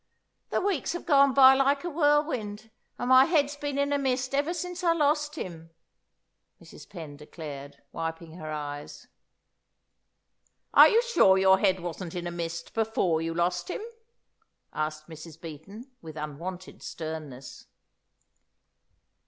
"The weeks have gone by like a whirlwind, and my head's been in a mist ever since I lost him," Mrs. Penn declared, wiping her eyes. "Are you sure that your head wasn't in a mist before you lost him?" asked Mrs. Beaton, with unwonted sternness.